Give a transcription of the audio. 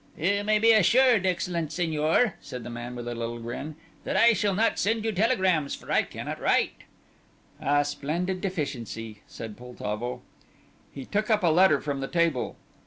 "You may be assured, excellent signor," said the man with a little grin, "that I shall not send you telegrams, for I cannot write." "A splendid deficiency," said Poltavo. He took up a letter from the table.